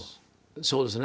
そうですね。